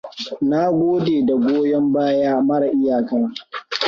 Na gode da goyon baya mara iyaka!